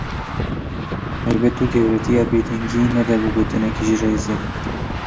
Heybet û gewretiya bêdengiyê nede bi gotineke ji rêzê.